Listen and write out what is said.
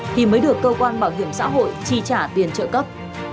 thì mới được cơ quan bảo hiểm xã hội chi trả tiền trợ cấp